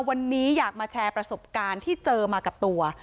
วันนี้อยากมาแชร์ประสบการณ์ที่เจอมากับตัว